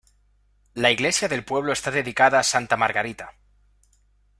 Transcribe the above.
La iglesia del pueblo está dedicada a Santa Margarita.